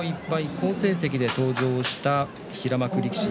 好成績で登場した平幕力士